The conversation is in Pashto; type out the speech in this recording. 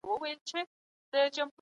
ټوخلی او زکام جدي ونیسئ.